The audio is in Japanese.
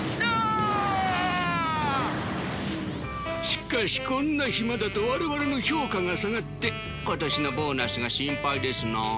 しかしこんな暇だと我々の評価が下がって今年のボーナスが心配ですな。